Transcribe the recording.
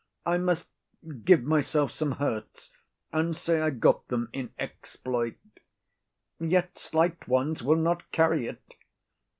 I must give myself some hurts, and say I got them in exploit; yet slight ones will not carry it.